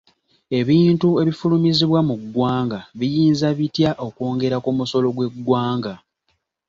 Ebintu ebifulumizibwa mu ggwanga biyinza bitya okwongera ku musolo gw'eggwanga?